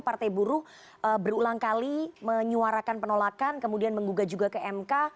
partai buruh berulang kali menyuarakan penolakan kemudian menggugah juga ke mk